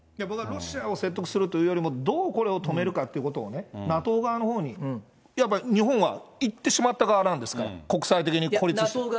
僕はロシアを説得するというよりも、どうこれを止めるかっていうことをね、ＮＡＴＯ側のほうに、いわば、日本はいってしまった側なんですから、国際的に孤立して。